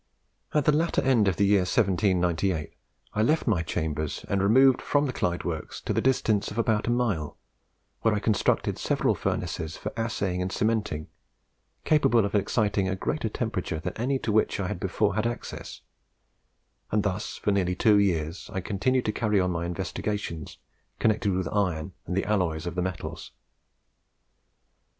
At the latter end of the year 1798 I left my chambers, and removed from the Clyde Works to the distance of about a mile, where I constructed several furnaces for assaying and cementing, capable of exciting a greater temperature than any to which I before had access; and thus for nearly two years I continued to carry on my investigations connected with iron and the alloys of the metals.